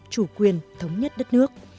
chủ quyền thống nhất đất nước